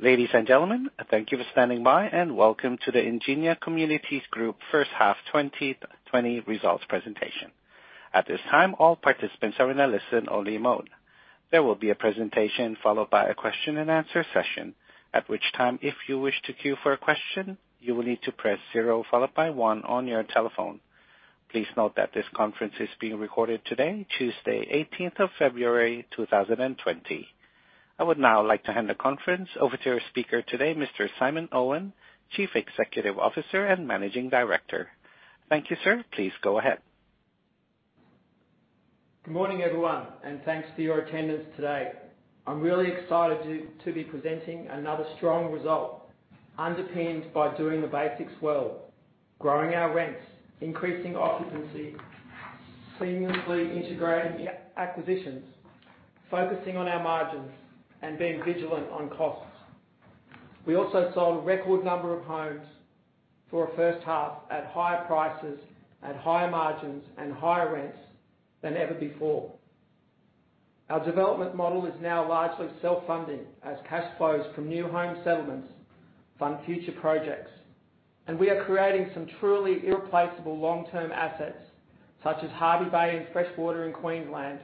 Ladies and gentlemen, thank you for standing by, and welcome to the Ingenia Communities Group First Half 2020 results presentation. At this time, all participants are in a listen-only mode. There will be a presentation followed by a question and answer session, at which time, if you wish to queue for a question, you will need to press zero followed by one on your telephone. Please note that this conference is being recorded today, Tuesday, 18th of February 2020. I would now like to hand the conference over to our speaker today, Mr. Simon Owen, Chief Executive Officer and Managing Director. Thank you, sir. Please go ahead. Good morning, everyone, and thanks for your attendance today. I'm really excited to be presenting another strong result underpinned by doing the basics well, growing our rents, increasing occupancy, seamlessly integrating acquisitions, focusing on our margins, and being vigilant on costs. We also sold a record number of homes for a first half at higher prices, at higher margins, and higher rents than ever before. Our development model is now largely self-funding as cash flows from new home settlements fund future projects. We are creating some truly irreplaceable long-term assets, such as Hervey Bay and Freshwater in Queensland,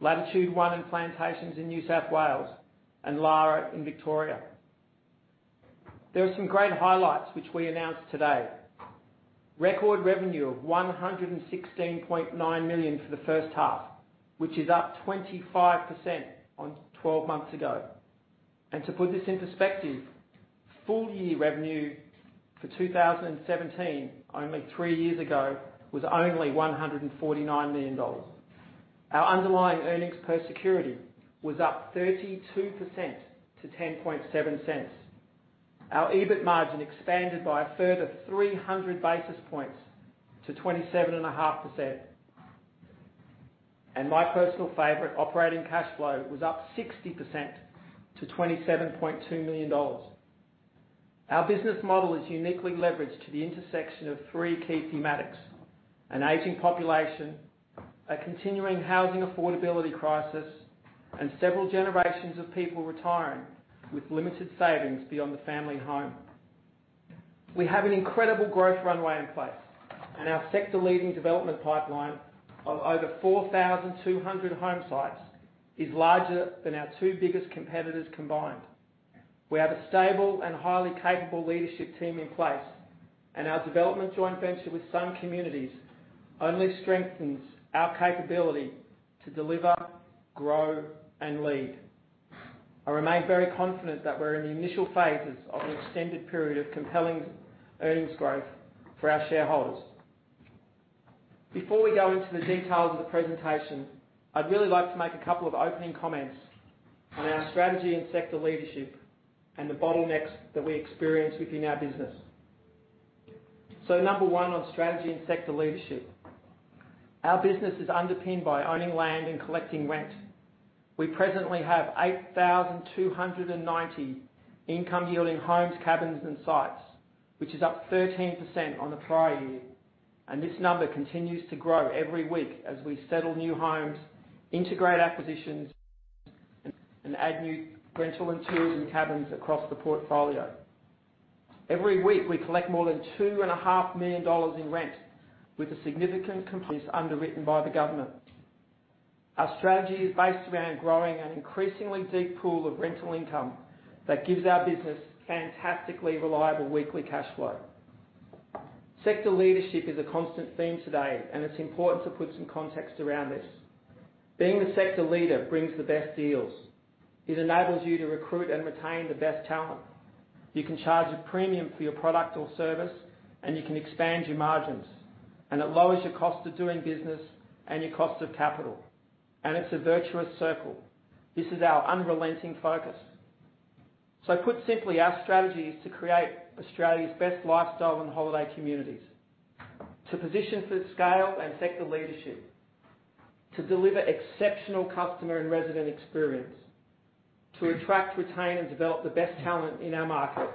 Latitude One and Plantations in New South Wales, and Lara in Victoria. There are some great highlights, which we announced today. Record revenue of 116.9 million for the first half, which is up 25% on 12 months ago. To put this in perspective, full-year revenue for 2017, only three years ago, was only 149 million dollars. Our underlying earnings per security was up 32% to 0.107. Our EBIT margin expanded by a further 300 basis points to 27.5%. My personal favorite, operating cash flow, was up 60% to 27.2 million dollars. Our business model is uniquely leveraged to the intersection of three key thematics: an aging population, a continuing housing affordability crisis, and several generations of people retiring with limited savings beyond the family home. We have an incredible growth runway in place, and our sector-leading development pipeline of over 4,200 home sites is larger than our two biggest competitors combined. We have a stable and highly capable leadership team in place, and our development joint venture with Sun Communities only strengthens our capability to deliver, grow, and lead. I remain very confident that we're in the initial phases of an extended period of compelling earnings growth for our shareholders. Before we go into the details of the presentation, I'd really like to make a couple of opening comments on our strategy and sector leadership and the bottlenecks that we experience within our business. Number one on strategy and sector leadership. Our business is underpinned by owning land and collecting rent. We presently have 8,290 income-yielding homes, cabins, and sites, which is up 13% on the prior year, and this number continues to grow every week as we settle new homes, integrate acquisitions, and add new rental and tourism cabins across the portfolio. Every week, we collect more than 2.5 million dollars in rent with a significant component underwritten by the government. Our strategy is based around growing an increasingly deep pool of rental income that gives our business fantastically reliable weekly cash flow. Sector leadership is a constant theme today, and it's important to put some context around this. Being the sector leader brings the best deals. It enables you to recruit and retain the best talent. You can charge a premium for your product or service, and you can expand your margins, and it lowers your cost of doing business and your cost of capital, and it's a virtuous circle. This is our unrelenting focus. Put simply, our strategy is to create Australia's best lifestyle and holiday communities, to position for scale and sector leadership, to deliver exceptional customer and resident experience, to attract, retain, and develop the best talent in our market,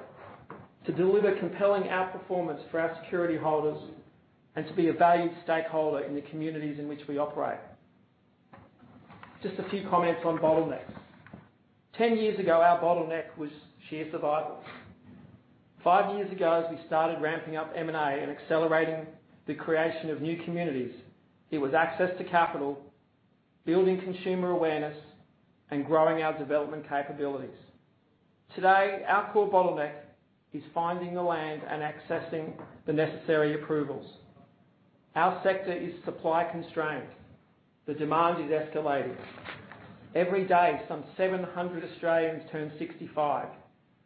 to deliver compelling outperformance for our security holders, and to be a valued stakeholder in the communities in which we operate. Just a few comments on bottlenecks. 10 years ago, our bottleneck was sheer survival. Five years ago, as we started ramping up M&A and accelerating the creation of new communities, it was access to capital, building consumer awareness, and growing our development capabilities. Today, our core bottleneck is finding the land and accessing the necessary approvals. Our sector is supply-constrained. The demand is escalating. Every day, some 700 Australians turn 65.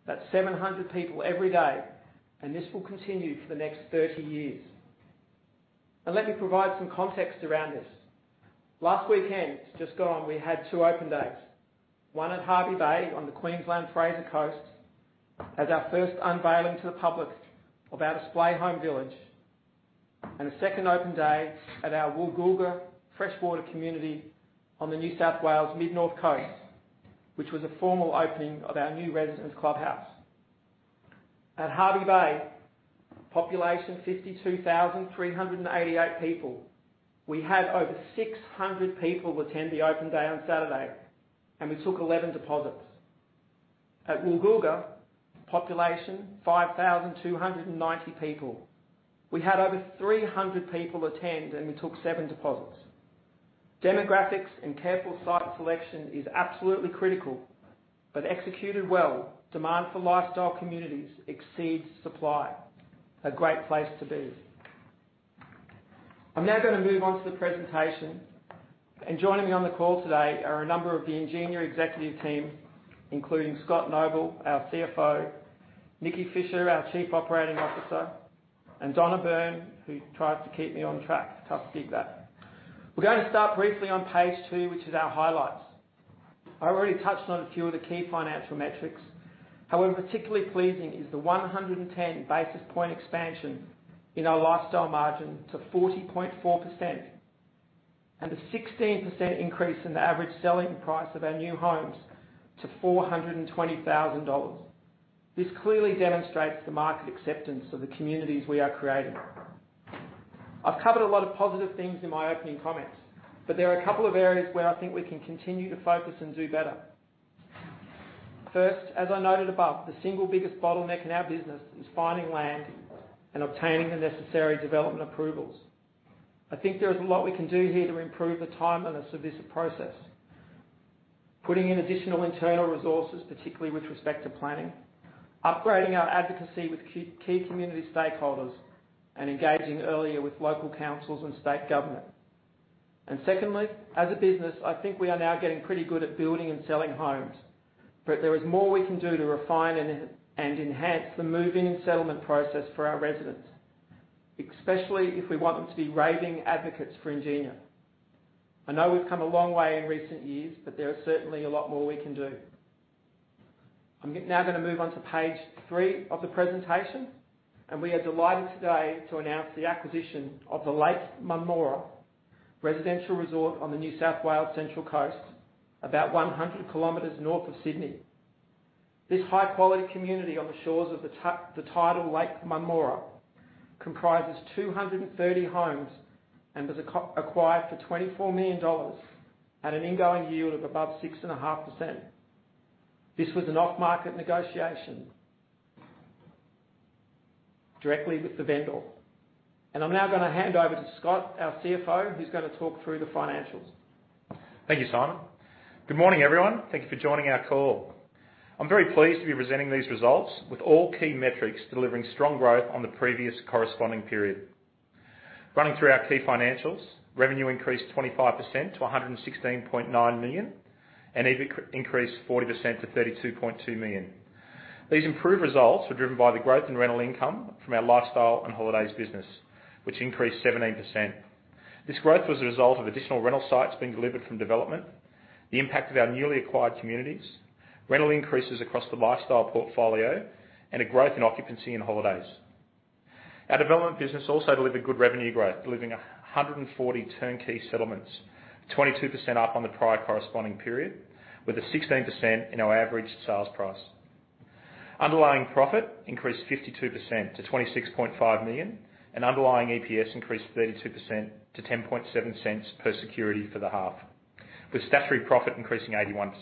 That's 700 people every day, and this will continue for the next 30 years. Let me provide some context around this. Last weekend, just gone, we had two open days, one at Hervey Bay on the Queensland Fraser Coast as our first unveiling to the public of our display home village, and a second open day at our Woolgoolga Freshwater community on the New South Wales Mid North Coast, which was a formal opening of our new residents clubhouse. At Hervey Bay, population 52,388 people, we had over 600 people attend the open day on Saturday, and we took 11 deposits. At Woolgoolga, population 5,290 people, we had over 300 people attend, and we took seven deposits. Demographics and careful site selection is absolutely critical, but executed well, demand for lifestyle communities exceeds supply. A great place to be. I'm now going to move on to the presentation. Joining me on the call today are a number of the Ingenia executive team, including Scott Noble, our CFO, Nikki Fisher, our Chief Operating Officer, and Donna Byrne, who tries to keep me on track. It's tough to beat that. We're going to start briefly on page two, which is our highlights. I already touched on a few of the key financial metrics. However, particularly pleasing is the 110 basis points expansion in our lifestyle margin to 40.4%, and a 16% increase in the average selling price of our new homes to 420,000 dollars. This clearly demonstrates the market acceptance of the communities we are creating. I've covered a lot of positive things in my opening comments, but there are a couple of areas where I think we can continue to focus and do better. First, as I noted above, the single biggest bottleneck in our business is finding land and obtaining the necessary development approvals. I think there is a lot we can do here to improve the time and the submission process. Putting in additional internal resources, particularly with respect to planning, upgrading our advocacy with key community stakeholders, and engaging earlier with local councils and state government. Secondly, as a business, I think we are now getting pretty good at building and selling homes, but there is more we can do to refine and enhance the move-in and settlement process for our residents, especially if we want them to be raving advocates for Ingenia. I know we've come a long way in recent years, but there is certainly a lot more we can do. I'm now going to move on to page three of the presentation. We are delighted today to announce the acquisition of the Lake Munmorah residential resort on the New South Wales Central Coast, about 100 km north of Sydney. This high-quality community on the shores of the tidal Lake Munmorah comprises 230 homes and was acquired for 24 million dollars at an ingoing yield of above 6.5%. This was an off-market negotiation directly with the vendor. I'm now going to hand over to Scott, our CFO, who's going to talk through the financials. Thank you, Simon. Good morning, everyone. Thank you for joining our call. I'm very pleased to be presenting these results with all key metrics delivering strong growth on the previous corresponding period. Running through our key financials, revenue increased 25% to 116.9 million and EBIT increased 40% to 32.2 million. These improved results were driven by the growth in rental income from our lifestyle and holidays business, which increased 17%. This growth was a result of additional rental sites being delivered from development, the impact of our newly acquired communities, rental increases across the lifestyle portfolio, and a growth in occupancy and holidays. Our development business also delivered good revenue growth, delivering 140 turnkey settlements, 22% up on the prior corresponding period, with a 16% in our average sales price. Underlying profit increased 52% to 26.5 million, and underlying EPS increased 32% to 0.107 per security for the half, with statutory profit increasing 81%.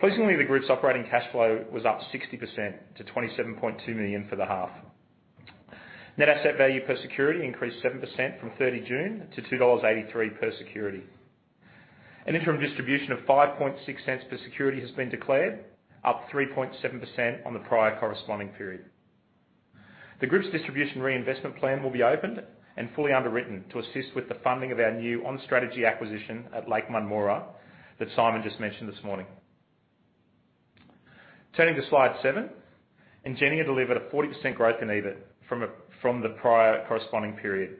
Pleasingly, the group's operating cash flow was up 60% to 27.2 million for the half. Net asset value per security increased 7% from 30 June to 2.83 dollars per security. An interim distribution of 0.056 per security has been declared, up 3.7% on the prior corresponding period. The group's distribution reinvestment plan will be opened and fully underwritten to assist with the funding of our new on-strategy acquisition at Lake Munmorah that Simon just mentioned this morning. Turning to slide seven, Ingenia delivered a 40% growth in EBIT from the prior corresponding period,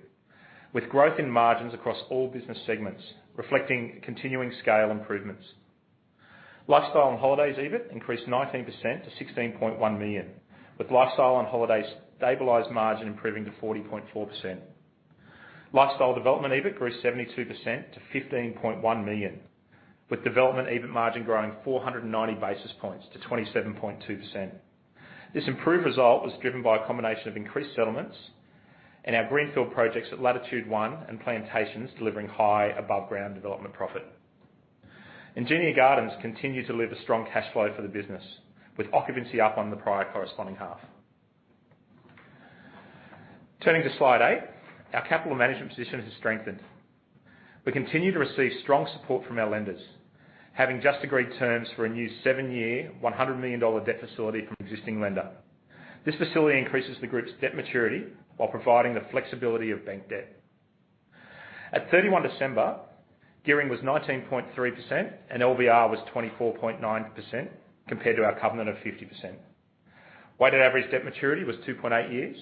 with growth in margins across all business segments reflecting continuing scale improvements. Lifestyle and Holidays EBIT increased 19% to 16.1 million, with Lifestyle and Holidays stabilized margin improving to 40.4%. Lifestyle development EBIT grew 72% to 15.1 million, with development EBIT margin growing 490 basis points to 27.2%. This improved result was driven by a combination of increased settlements and our greenfield projects at Latitude One and Plantations delivering high above-ground development profit. Ingenia Gardens continue to deliver strong cash flow for the business, with occupancy up on the prior corresponding half. Turning to slide eight, our capital management position has strengthened. We continue to receive strong support from our lenders, having just agreed terms for a new seven-year, 100 million dollar debt facility from existing lender. This facility increases the group's debt maturity while providing the flexibility of bank debt. At 31 December, gearing was 19.3% and LVR was 24.9% compared to our covenant of 50%. Weighted average debt maturity was 2.8 years.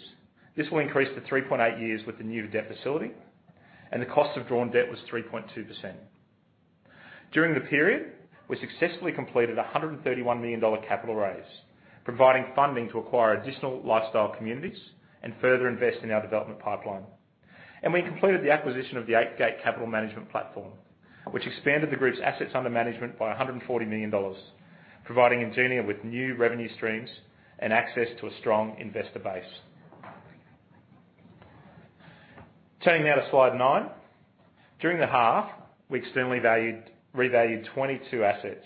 This will increase to 3.8 years with the new debt facility, and the cost of drawn debt was 3.2%. During the period, we successfully completed 131 million dollar capital raise, providing funding to acquire additional lifestyle communities and further invest in our development pipeline. We completed the acquisition of the Eighth Gate Capital Management platform, which expanded the group's assets under management by AUD 140 million, providing Ingenia with new revenue streams and access to a strong investor base. Turning now to slide nine. During the half, we externally revalued 22 assets.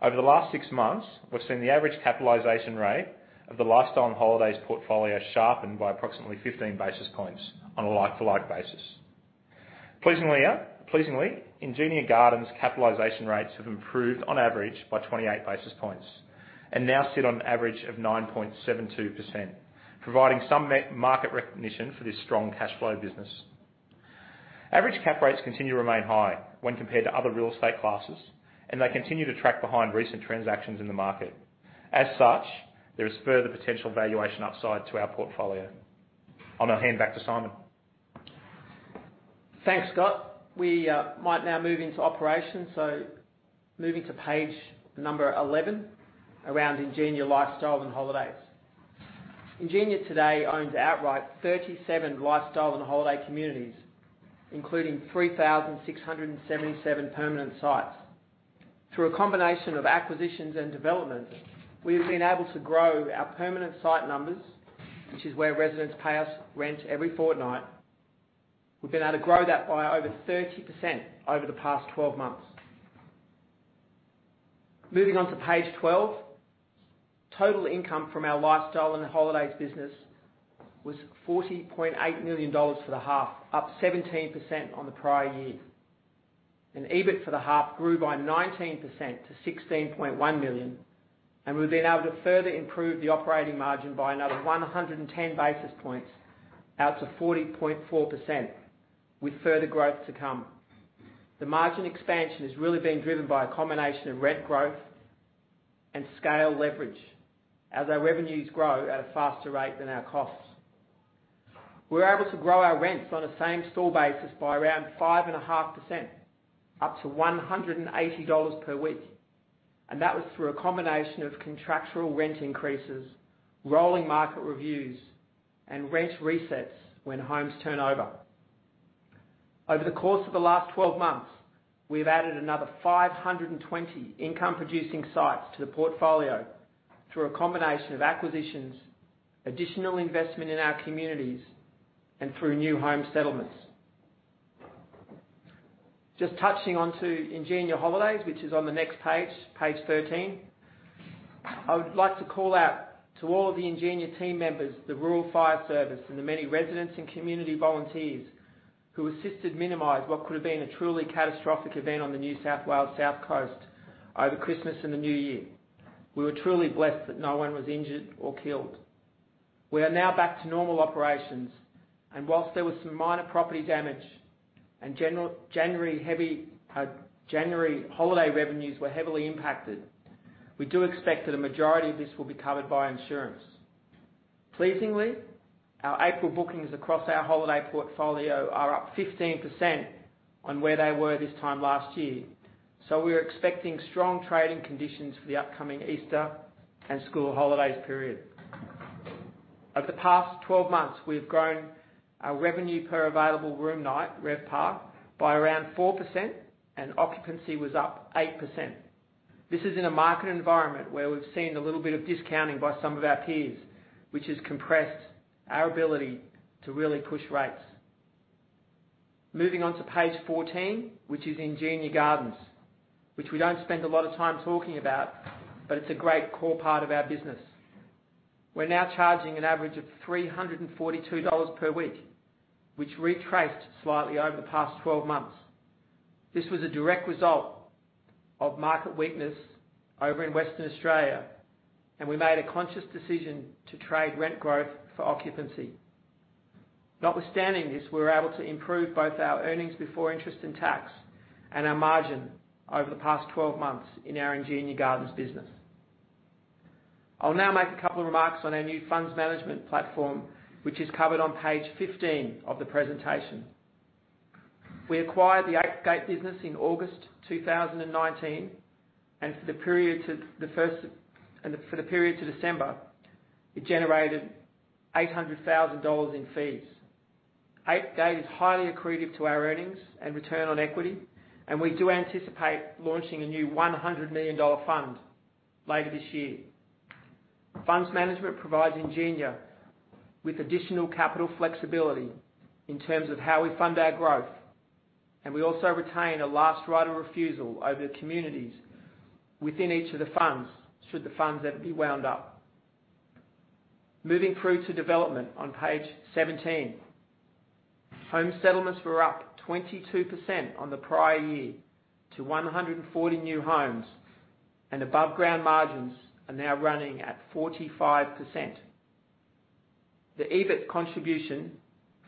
Over the last six months, we've seen the average capitalization rate of the Lifestyle and Holidays portfolio sharpen by approximately 15 basis points on a like-to-like basis. Pleasingly, Ingenia Gardens capitalization rates have improved on average by 28 basis points and now sit on an average of 9.72%, providing some market recognition for this strong cash flow business. Average cap rates continue to remain high when compared to other real estate classes, and they continue to track behind recent transactions in the market. As such, there is further potential valuation upside to our portfolio. I'll now hand back to Simon. Thanks, Scott. We might now move into operations. Moving to page number 11, around Ingenia Lifestyle and Holidays. Ingenia today owns outright 37 lifestyle and holiday communities, including 3,677 permanent sites. Through a combination of acquisitions and developments, we have been able to grow our permanent site numbers, which is where residents pay us rent every fortnight. We've been able to grow that by over 30% over the past 12 months. Moving on to page 12. Total income from our lifestyle and holidays business was 40.8 million dollars for the half, up 17% on the prior year. EBIT for the half grew by 19% to 16.1 million, and we've been able to further improve the operating margin by another 110 basis points out to 40.4%, with further growth to come. The margin expansion has really been driven by a combination of rent growth and scale leverage as our revenues grow at a faster rate than our costs. We were able to grow our rents on a same-store basis by around 5.5%, up to 180 dollars per week, and that was through a combination of contractual rent increases, rolling market reviews, and rent resets when homes turn over. Over the course of the last 12 months, we've added another 520 income-producing sites to the portfolio through a combination of acquisitions, additional investment in our communities, and through new home settlements. Just touching on to Ingenia Holidays, which is on the next page 13. I would like to call out to all of the Ingenia team members, the Rural Fire Service, and the many residents and community volunteers who assisted minimize what could have been a truly catastrophic event on the New South Wales South Coast over Christmas and the New Year. We were truly blessed that no one was injured or killed. Whilst there was some minor property damage and January holiday revenues were heavily impacted, we do expect that a majority of this will be covered by insurance. Pleasingly, our April bookings across our holiday portfolio are up 15% on where they were this time last year. We are expecting strong trading conditions for the upcoming Easter and school holidays period. Over the past 12 months, we have grown our revenue per available room night, RevPAR, by around 4%, and occupancy was up 8%. This is in a market environment where we've seen a little bit of discounting by some of our peers, which has compressed our ability to really push rates. Moving on to page 14, which is Ingenia Gardens, which we don't spend a lot of time talking about, it's a great core part of our business. We're now charging an average of 342 dollars per week, which retraced slightly over the past 12 months. This was a direct result of market weakness over in Western Australia, we made a conscious decision to trade rent growth for occupancy. Notwithstanding this, we were able to improve both our earnings before interest and tax and our margin over the past 12 months in our Ingenia Gardens business. I'll now make a couple of remarks on our new funds management platform, which is covered on page 15 of the presentation. We acquired the Eighth Gate business in August 2019, and for the period to December, it generated 800,000 dollars in fees. Eighth Gate is highly accretive to our earnings and return on equity, and we do anticipate launching a new 100 million dollar fund later this year. Funds Management provides Ingenia with additional capital flexibility in terms of how we fund our growth, and we also retain a last right of refusal over the communities within each of the funds, should the funds ever be wound up. Moving through to development on page 17. Home settlements were up 22% on the prior year to 140 new homes, and above-ground margins are now running at 45%. The EBIT contribution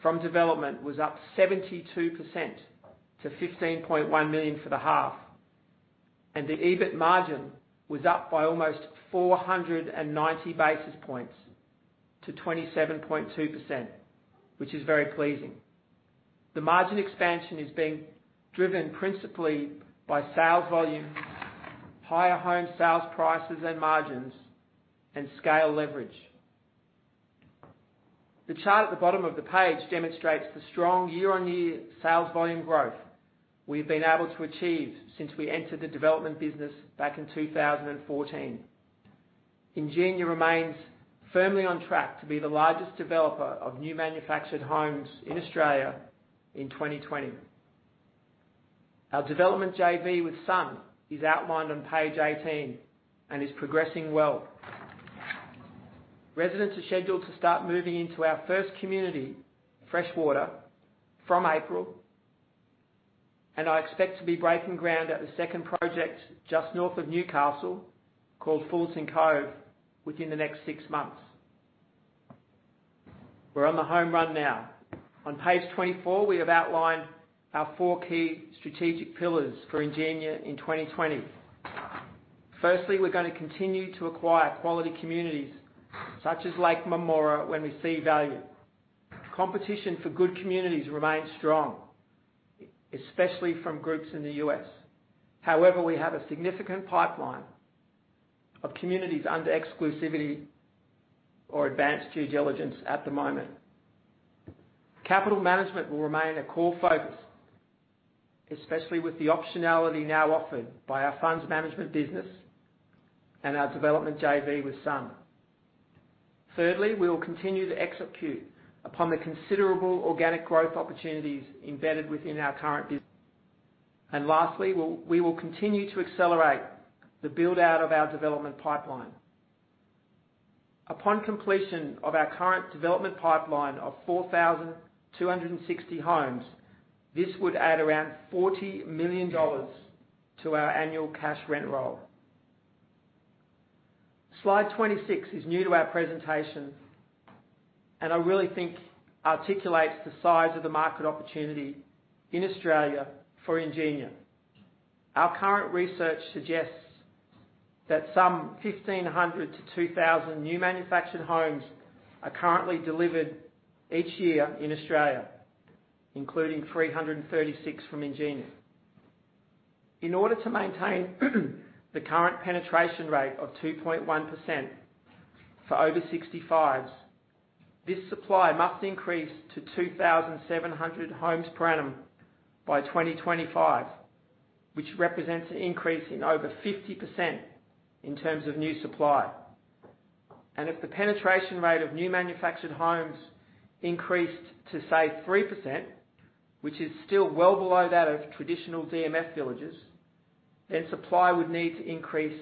from development was up 72% to 15.1 million for the half, and the EBIT margin was up by almost 490 basis points to 27.2%, which is very pleasing. The margin expansion is being driven principally by sales volume, higher home sales prices and margins and scale leverage. The chart at the bottom of the page demonstrates the strong year-on-year sales volume growth we've been able to achieve since we entered the development business back in 2014. Ingenia remains firmly on track to be the largest developer of new manufactured homes in Australia in 2020. Our development JV with Sun is outlined on page 18 and is progressing well. Residents are scheduled to start moving into our first community, Freshwater, from April, I expect to be breaking ground at the second project just north of Newcastle, called Fullerton Cove, within the next six months. We're on the home run now. On page 24, we have outlined our four key strategic pillars for Ingenia in 2020. Firstly, we're going to continue to acquire quality communities such as Lake Munmorah when we see value. Competition for good communities remains strong, especially from groups in the U.S. However, we have a significant pipeline of communities under exclusivity or advanced due diligence at the moment. Capital management will remain a core focus, especially with the optionality now offered by our funds management business and our development JV with Sun. Thirdly, we will continue to execute upon the considerable organic growth opportunities embedded within our current business. Lastly, we will continue to accelerate the build-out of our development pipeline. Upon completion of our current development pipeline of 4,260 homes, this would add around 40 million dollars to our annual cash rent roll. Slide 26 is new to our presentation, and I really think articulates the size of the market opportunity in Australia for Ingenia. Our current research suggests that some 1,500-2,000 new manufactured homes are currently delivered each year in Australia, including 336 from Ingenia. In order to maintain the current penetration rate of 2.1% for over 65s, this supply must increase to 2,700 homes per annum by 2025, which represents an increase in over 50% in terms of new supply. If the penetration rate of new manufactured homes increased to, say, 3%, which is still well below that of traditional DMF villages, then supply would need to increase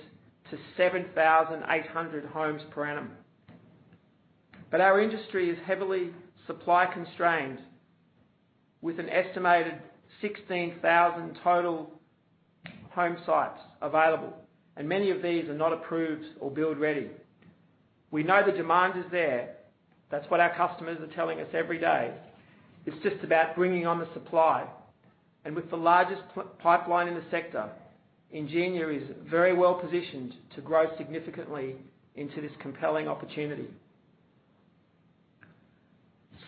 to 7,800 homes per annum. Our industry is heavily supply-constrained with an estimated 16,000 total home sites available, and many of these are not approved or build-ready. We know the demand is there. That's what our customers are telling us every day. It's just about bringing on the supply. With the largest pipeline in the sector, Ingenia is very well-positioned to grow significantly into this compelling opportunity.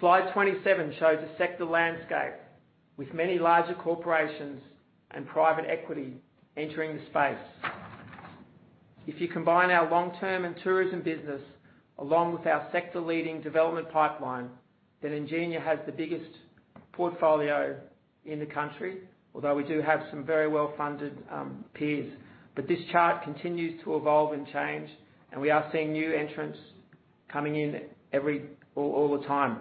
Slide 27 shows the sector landscape with many larger corporations and private equity entering the space. If you combine our long-term and tourism business, along with our sector-leading development pipeline, Ingenia has the biggest portfolio in the country, although we do have some very well-funded peers. This chart continues to evolve and change, we are seeing new entrants coming in all the time.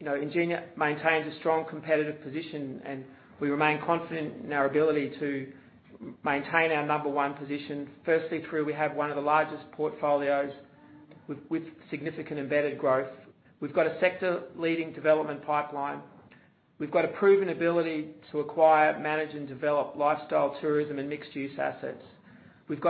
Ingenia maintains a strong competitive position, we remain confident in our ability to maintain our number one position. Firstly, we have one of the largest portfolios with significant embedded growth. We've got a sector-leading development pipeline. We've got a proven ability to acquire, manage and develop lifestyle, tourism, and mixed-use assets. We have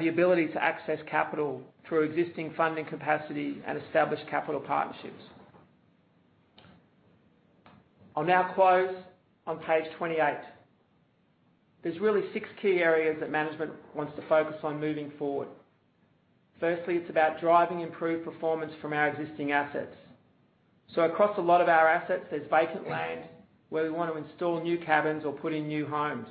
the ability to access capital through existing funding capacity and establish capital partnerships. I'll now close on page 28. There's really six key areas that management wants to focus on moving forward. Firstly, it's about driving improved performance from our existing assets. Across a lot of our assets, there's vacant land where we want to install new cabins or put in new homes.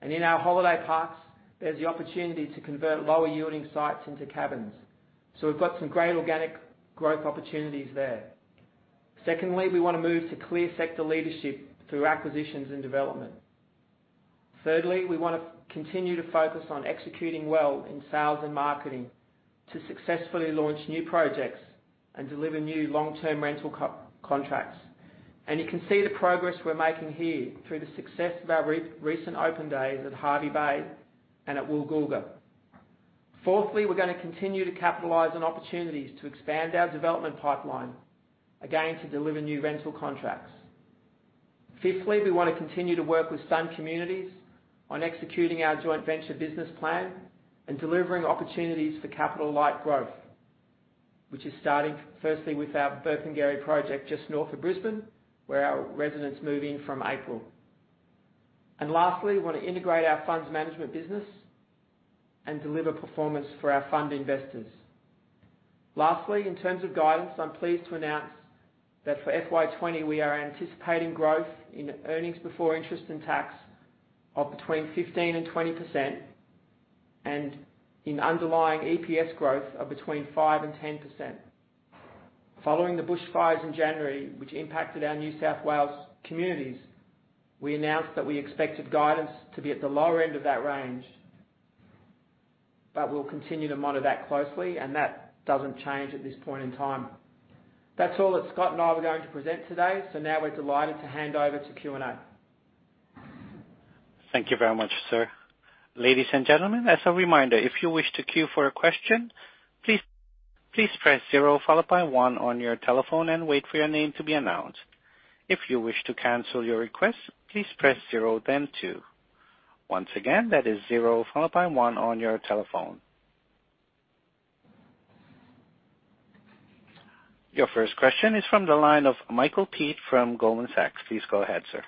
In our holiday parks, there's the opportunity to convert lower-yielding sites into cabins. We've got some great organic growth opportunities there. Secondly, we want to move to clear sector leadership through acquisitions and development. Thirdly, we want to continue to focus on executing well in sales and marketing to successfully launch new projects and deliver new long-term rental contracts. You can see the progress we're making here through the success of our recent open days at Hervey Bay and at Woolgoolga. Fourthly, we're going to continue to capitalize on opportunities to expand our development pipeline, again, to deliver new rental contracts. Fifthly, we want to continue to work with Sun Communities on executing our joint venture business plan and delivering opportunities for capital-light growth, which is starting firstly with our Burpengary project just north of Brisbane, where our residents move in from April. Lastly, we want to integrate our funds management business and deliver performance for our fund investors. Lastly, in terms of guidance, I'm pleased to announce that for FY 2020, we are anticipating growth in earnings before interest and tax of between 15%-20%, and in underlying EPS growth of between 5%-10%. Following the bushfires in January, which impacted our New South Wales communities, we announced that we expected guidance to be at the lower end of that range. We'll continue to monitor that closely, and that doesn't change at this point in time. That's all that Scott and I were going to present today. Now we're delighted to hand over to Q&A. Thank you very much, sir. Ladies and gentlemen, as a reminder, if you wish to queue for a question, please press zero followed by one on your telephone and wait for your name to be announced. If you wish to cancel your request, please press zero, then two. Once again, that is zero followed by one on your telephone. Your first question is from the line of Michael Peet from Goldman Sachs. Please go ahead, sir.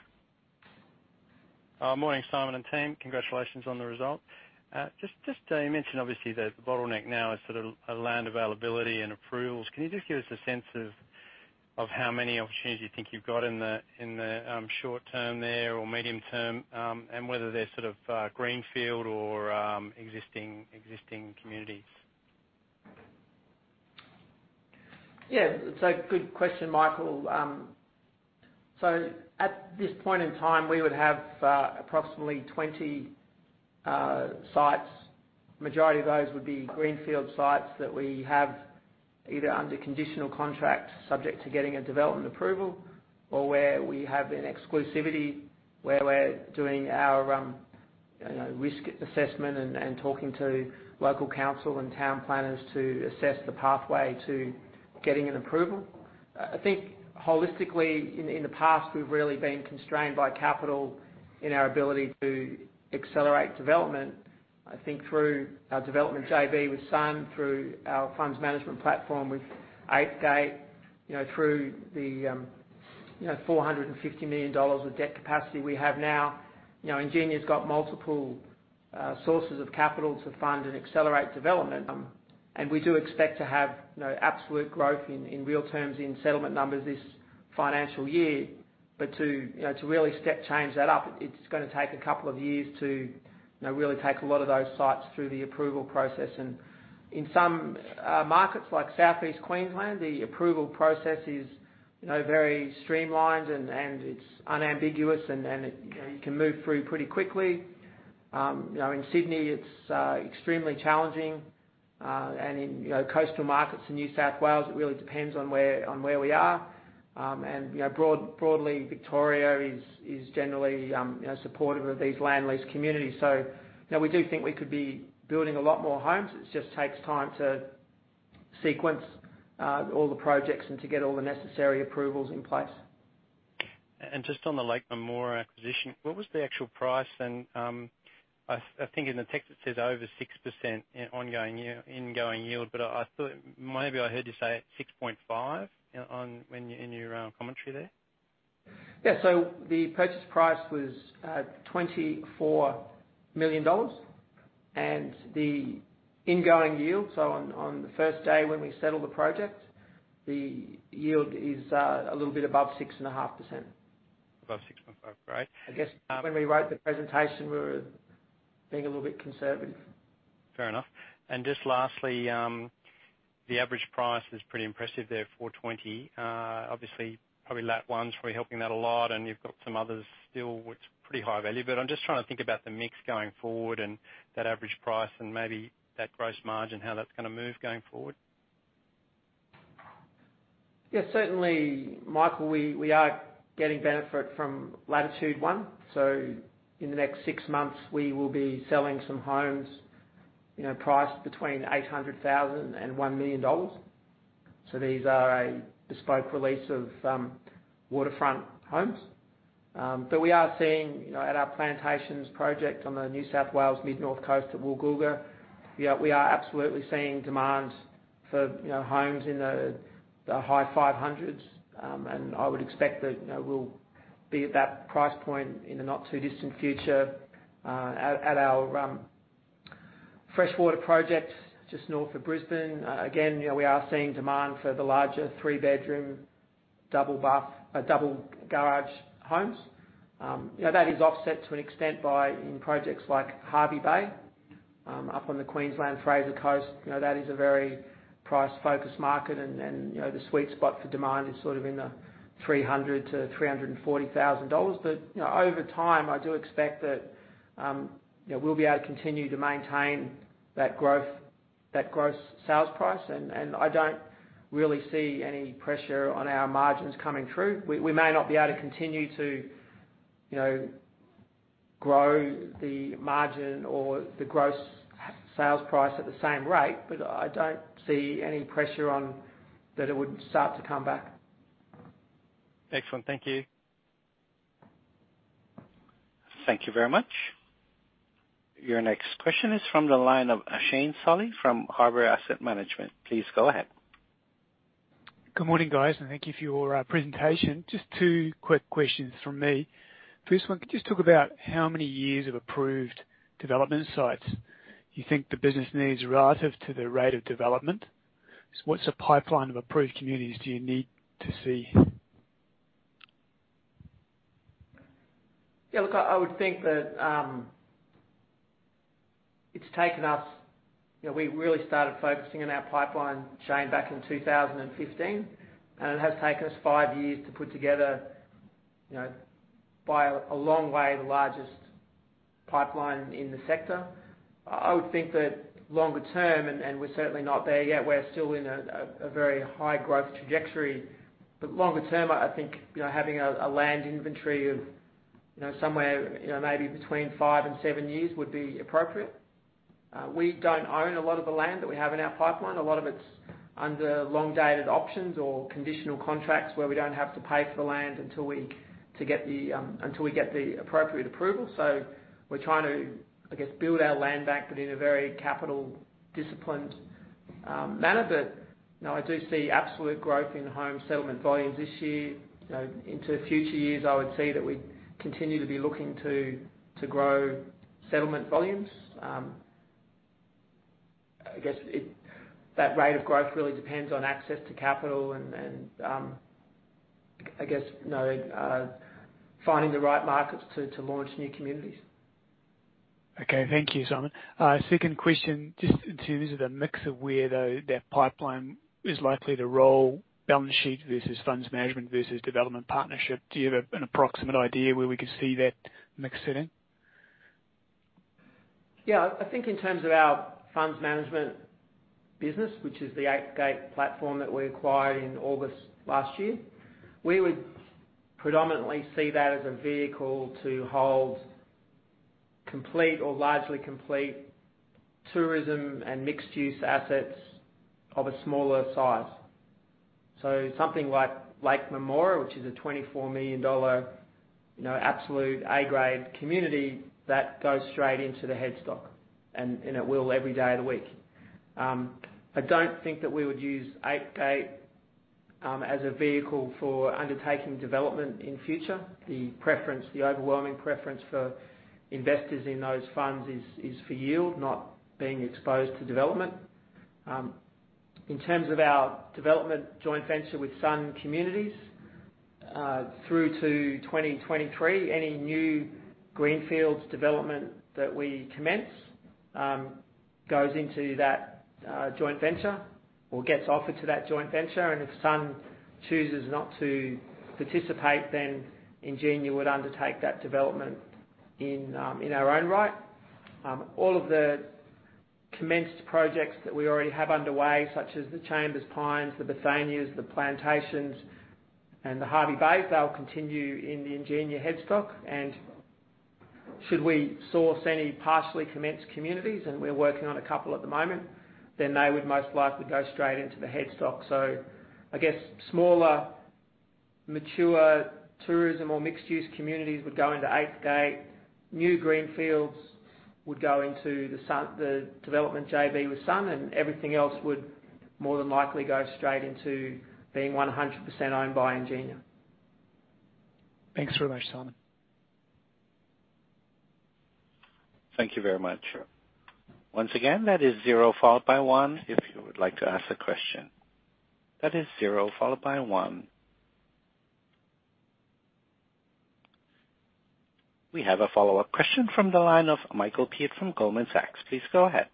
Morning, Simon and team. Congratulations on the result. Just a mention obviously that the bottleneck now is land availability and approvals. Can you just give us a sense of how many opportunities you think you've got in the short term there or medium term, and whether they're greenfield or existing communities? Yeah, it's a good question, Michael. At this point in time, we would have approximately 20 sites. Majority of those would be greenfield sites that we have, either under conditional contract subject to getting a development approval or where we have an exclusivity, where we're doing our risk assessment and talking to local council and town planners to assess the pathway to getting an approval. I think holistically, in the past, we've really been constrained by capital in our ability to accelerate development. I think through our development JV with Sun, through our funds management platform with Eighth Gate, through the 450 million dollars of debt capacity we have now. Ingenia's got multiple sources of capital to fund and accelerate development. We do expect to have absolute growth in real terms in settlement numbers this financial year. To really step change that up, it's going to take a couple of years to really take a lot of those sites through the approval process. In some markets like Southeast Queensland, the approval process is very streamlined and it's unambiguous and you can move through pretty quickly. In Sydney, it's extremely challenging. In coastal markets in New South Wales, it really depends on where we are. Broadly, Victoria is generally supportive of these land lease communities. We do think we could be building a lot more homes. It just takes time to sequence all the projects and to get all the necessary approvals in place. Just on the Lake Munmorah acquisition, what was the actual price? I think in the text it says over 6% ingoing yield, but maybe I heard you say 6.5% in your commentary there. The purchase price was 24 million dollars. The ingoing yield, so on the first day when we settle the project, the yield is a little bit above 6.5%. Above 6.5%. Great. I guess when we wrote the presentation, we were being a little bit conservative. Fair enough. Just lastly, the average price is pretty impressive there, 420. Obviously, probably Latitude One's probably helping that a lot, and you've got some others still. It's pretty high value. I'm just trying to think about the mix going forward and that average price and maybe that gross margin, how that's going to move going forward. Certainly, Michael, we are getting benefit from Latitude One. In the next six months, we will be selling some homes priced between 800,000 and 1 million dollars. These are a bespoke release of waterfront homes. We are seeing at our plantations project on the New South Wales Mid North Coast of Woolgoolga, we are absolutely seeing demands for homes in the high 500s. I would expect that we'll be at that price point in the not-too-distant future. At our freshwater project just north of Brisbane, again, we are seeing demand for the larger three-bedroom, double garage homes. That is offset to an extent by in projects like Hervey Bay, up on the Queensland Fraser Coast. That is a very price-focused market, and the sweet spot for demand is sort of in the 300,000-340,000 dollars. Over time, I do expect that we'll be able to continue to maintain that growth, that gross sales price. I don't really see any pressure on our margins coming through. We may not be able to continue to grow the margin or the gross sales price at the same rate, but I don't see any pressure on that it would start to come back. Excellent. Thank you. Thank you very much. Your next question is from the line of Shane Solly from Harbour Asset Management. Please go ahead. Good morning, guys. Thank you for your presentation. Just two quick questions from me. First one, could you just talk about how many years of approved development sites you think the business needs relative to the rate of development? What's a pipeline of approved communities do you need to see? Yeah, look, I would think that we really started focusing on our pipeline, Shane, back in 2015, it has taken us five years to put together, by a long way, the largest pipeline in the sector. I would think that longer term, we're certainly not there yet, we're still in a very high growth trajectory. Longer term, I think, having a land inventory of somewhere maybe between five and seven years would be appropriate. We don't own a lot of the land that we have in our pipeline. A lot of it's under long-dated options or conditional contracts where we don't have to pay for the land until we get the appropriate approval. We're trying to, I guess, build our land bank, in a very capital-disciplined manner. I do see absolute growth in home settlement volumes this year. Into future years, I would see that we continue to be looking to grow settlement volumes. I guess, that rate of growth really depends on access to capital and, I guess, finding the right markets to launch new communities. Thank you, Simon. Second question, just in terms of the mix of where that pipeline is likely to roll, balance sheet versus funds management versus development partnership, do you have an approximate idea where we could see that mix sitting? I think in terms of our funds management business, which is the Eighth Gate platform that we acquired in August last year, we would predominantly see that as a vehicle to hold complete or largely complete tourism and mixed-use assets of a smaller size. Something like Lake Munmorah, which is an 24 million dollar absolute A-grade community, that goes straight into the headstock, and it will every day of the week. I don't think that we would use Eighth Gate as a vehicle for undertaking development in future. The preference, the overwhelming preference for investors in those funds is for yield, not being exposed to development. In terms of our development joint venture with Sun Communities, through to 2023, any new greenfields development that we commence goes into that joint venture or gets offered to that joint venture. If Sun chooses not to participate, then Ingenia would undertake that development in our own right. All of the commenced projects that we already have underway, such as the Chambers Pines, the Bethania, the Plantations, and the Hervey Bay, they'll continue in the Ingenia headstock. Should we source any partially commenced communities, and we're working on a couple at the moment, then they would most likely go straight into the headstock. I guess smaller, mature tourism or mixed-use communities would go into Eighth Gate. New greenfields would go into the development JV with Sun, and everything else would more than likely go straight into being 100% owned by Ingenia. Thanks very much, Simon. Thank you very much. Once again, that is zero followed by one if you would like to ask a question. That is zero followed by one. We have a follow-up question from the line of Michael Peet from Goldman Sachs. Please go ahead.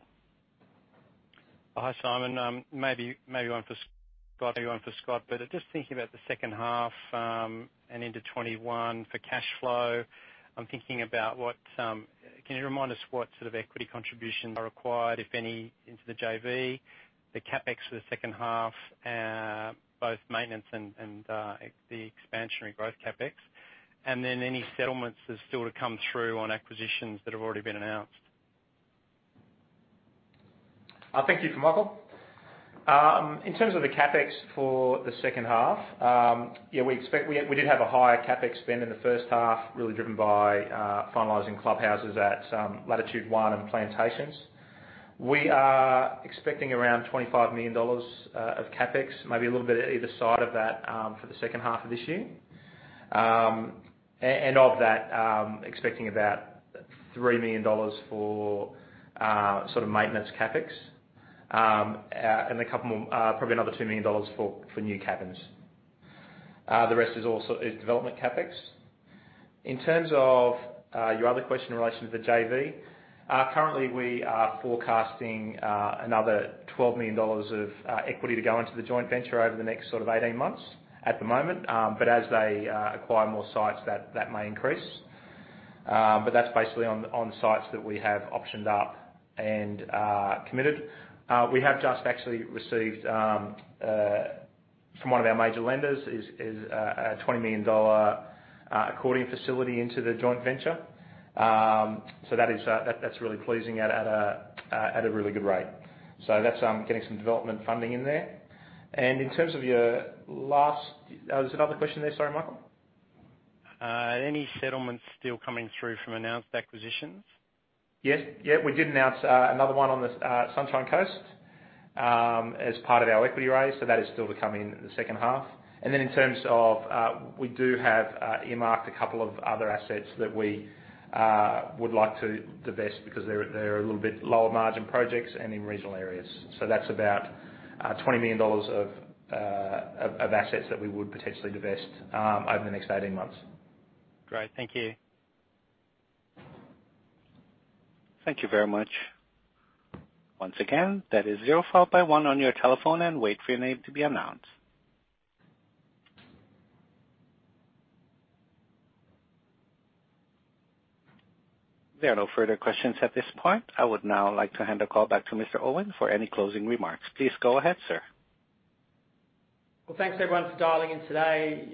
Hi, Simon. Maybe one for Scott. Just thinking about the second half and into 2021 for cash flow, Can you remind us what sort of equity contributions are required, if any, into the JV, the CapEx for the second half, both maintenance and the expansionary growth CapEx, any settlements that are still to come through on acquisitions that have already been announced? Thank you. From Michael. In terms of the CapEx for the second half, yeah, we did have a higher CapEx spend in the first half, really driven by finalizing clubhouses at Latitude One and Plantations. We are expecting around 25 million dollars of CapEx, maybe a little bit at either side of that, for the second half of this year. Of that, expecting about 3 million dollars for maintenance CapEx, and probably another 2 million dollars for new cabins. The rest is development CapEx. In terms of your other question in relation to the JV, currently we are forecasting another 12 million dollars of equity to go into the joint venture over the next 18 months at the moment. As they acquire more sites, that may increase. That's basically on sites that we have optioned up and committed. We have just actually received from one of our major lenders is a 20 million dollar accordion facility into the joint venture. That's really pleasing at a really good rate. That's getting some development funding in there. Oh, there's another question there. Sorry, Michael. Any settlements still coming through from announced acquisitions? Yes. We did announce another one on the Sunshine Coast as part of our equity raise, that is still to come in the second half. Then we do have earmarked a couple of other assets that we would like to divest because they're a little bit lower margin projects and in regional areas. That's about 20 million dollars of assets that we would potentially divest over the next 18 months. Great. Thank you. Thank you very much. Once again, that is zero followed by one on your telephone, and wait for your name to be announced. There are no further questions at this point. I would now like to hand the call back to Mr. Owen for any closing remarks. Please go ahead, sir. Well, thanks everyone for dialing in today.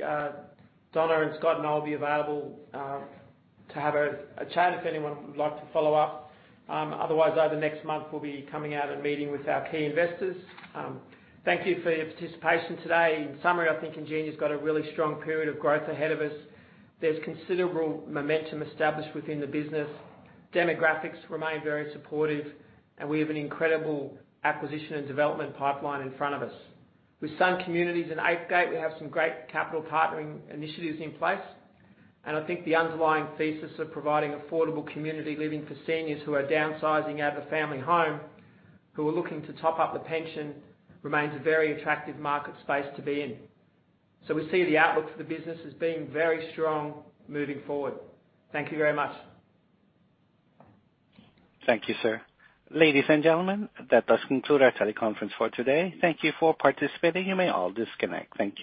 Donna and Scott and I will be available to have a chat if anyone would like to follow up. Otherwise, over the next month, we'll be coming out and meeting with our key investors. Thank you for your participation today. In summary, I think Ingenia's got a really strong period of growth ahead of us. There's considerable momentum established within the business. Demographics remain very supportive, and we have an incredible acquisition and development pipeline in front of us. With Sun Communities and Eighth Gate, we have some great capital partnering initiatives in place, and I think the underlying thesis of providing affordable community living for seniors who are downsizing out of a family home, who are looking to top up the pension, remains a very attractive market space to be in. We see the outlook for the business as being very strong moving forward. Thank you very much. Thank you, sir. Ladies and gentlemen, that does conclude our teleconference for today. Thank you for participating. You may all disconnect. Thank you.